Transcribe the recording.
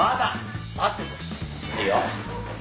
いいよ。